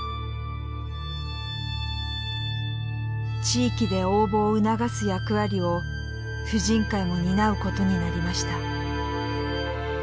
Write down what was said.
地域で応募を促す役割を婦人会も担うことになりました。